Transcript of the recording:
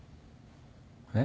えっ？